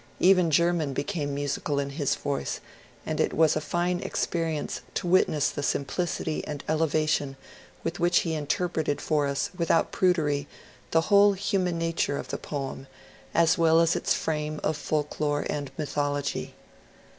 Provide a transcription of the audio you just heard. Even German became musical in his voice, and it was a fine experience to witness the simplicity and elevation with which he interpreted for us without prudery the whole human nature of the poem, as well as its frame of folk lore and mythology.